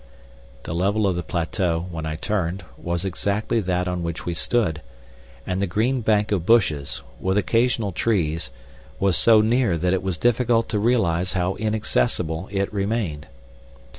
The level of the plateau, when I turned, was exactly that on which we stood, and the green bank of bushes, with occasional trees, was so near that it was difficult to realize how inaccessible it remained.